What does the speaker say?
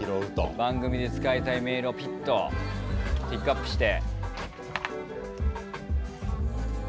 番組で使いたいメールをピッとピックアップして。